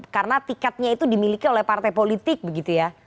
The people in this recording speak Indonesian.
karena tiketnya itu dimiliki oleh partai politik begitu ya